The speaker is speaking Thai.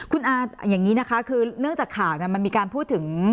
คุณอาอย่างนี้นะคะคือเนื่องจากข่าวมันมีการพูดถึง